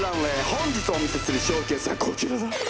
本日お見せするショーケースはこちらだ！